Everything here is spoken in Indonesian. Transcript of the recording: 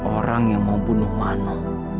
orang yang mau bunuh mana